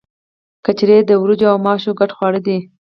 کچړي د وریجو او ماشو ګډ خواړه دي.